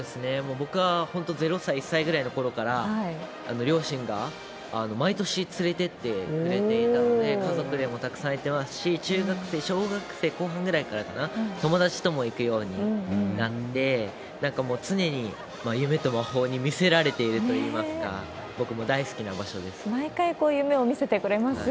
僕は本当、０歳、１歳ぐらいのころから、両親が毎年連れていってくれていたので、家族でもたくさん行ってますし、中学生、小学生後半ぐらいかな、友達とも行くようになって、なんかもう、常に夢と魔法にみせられているといいますか、僕も大好きな場所で毎回、夢を見せてくれますよ